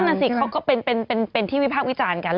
นั่นสิเขาก็เป็นที่วิพากษ์วิจารณ์กัน